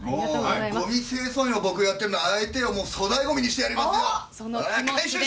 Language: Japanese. ごみ清掃員をやってるのは相手を粗大ゴミにしてあげますよ。